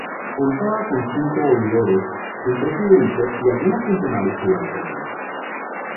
Contaba con cinco oidores, un presidente y algunos funcionarios subalternos.